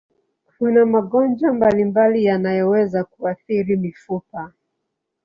Kuna magonjwa mbalimbali yanayoweza kuathiri mifupa.